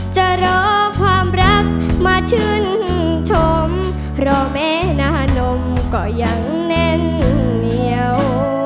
จะรอความรักมาชื่นชมเพราะแม้นานมก็ยังแน่นเหนียว